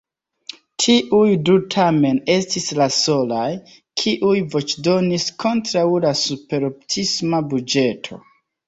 Tiuj du tamen estis la solaj, kiuj voĉdonis kontraŭ la superoptimisma buĝeto.